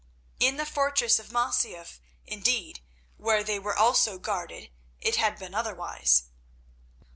In the fortress of Masyaf, indeed, where they were also guarded, it had been otherwise.